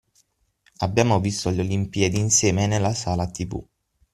Abbiamo visto le Olimpiadi insieme nella sala TV.